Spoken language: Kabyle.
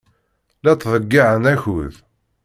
La ttḍeyyiɛen akud.